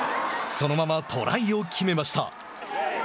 そのままトライを決めました。